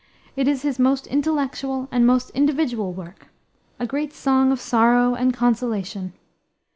It is his most intellectual and most individual work, a great song of sorrow and consolation.